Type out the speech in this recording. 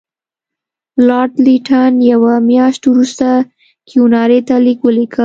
لارډ لیټن یوه میاشت وروسته کیوناري ته لیک ولیکه.